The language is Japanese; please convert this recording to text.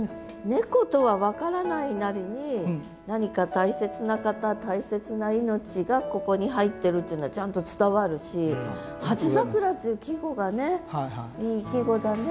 猫とは分からないなりに何か大切な方大切な命がここに入ってるっていうのはちゃんと伝わるし「初桜」っていう季語がいい季語だね。